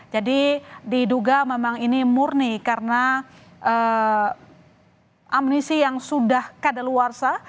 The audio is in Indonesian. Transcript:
jadi diduga memang ini murni karena amunisi yang sudah kadaluarsa